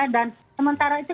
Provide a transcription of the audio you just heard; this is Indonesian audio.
dan sementara itu